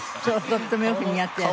とってもよく似合ってらした。